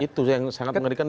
itu yang sangat mengerikan